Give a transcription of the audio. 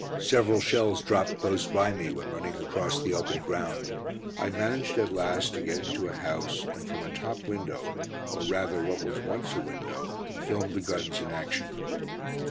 Several shells dropped close by me when running across the open ground. I managed at last to get into a house, and from a top window, or rather what was once a window, filmed the guns in action.